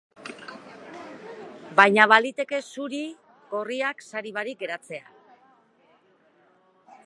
Baina, baliteke zuri-gorriak sari barik geratzea.